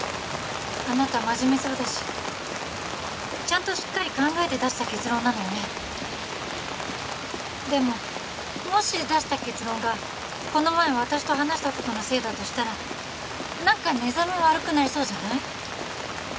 あなた真面目そうだしちゃんとしっかり考えて出した結論なのよねでももし出した結論がこの前私と話したことのせいだとしたら何か寝覚め悪くなりそうじゃない？